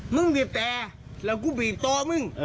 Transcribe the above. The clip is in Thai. มึงบีบแต่แล้วกูบีบตัวมึง